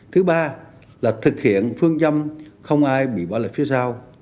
thứ ba là thực hiện phương châm không ai bị bỏ lại phía sau